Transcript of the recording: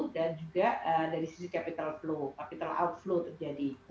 dan juga dari sisi capital flow capital outflow terjadi